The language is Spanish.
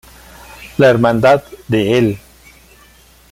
La Hermandad de El...